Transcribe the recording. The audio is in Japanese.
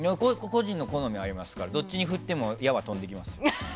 個人の好みはありますからどっちに振っても矢は飛んできますよ。